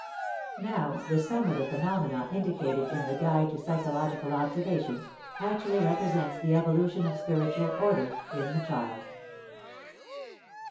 Now the sum of the phenomena indicated in the "guide to psychological observation" actually represents the evolution of spiritual order in the child.